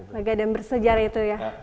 lega dan bersejarah itu ya